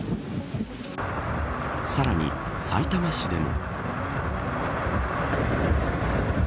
さらに、さいたま市でも。